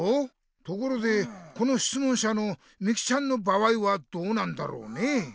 ところでこのしつもんしゃのみきちゃんの場合はどうなんだろうね？